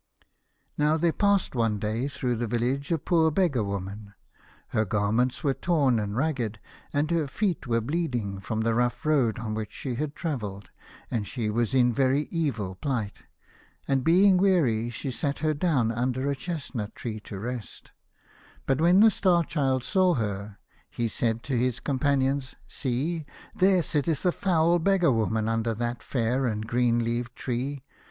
Now there passed one day through the vil lage a poor beggar woman. Her garments were torn and ragged, and her feet were bleeding from the rough road on which she had travelled, and she was in very evil plight. And being weary she sat her down under a chestnut tree to rest. But when the Star Child saw her, he said US The Star Child. to his companions, " See ! There sitteth a foul beggar woman under that fair and green leaved tree.